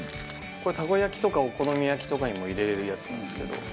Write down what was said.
たこ焼きとかお好み焼きとかにも入れられるやつなんですけど。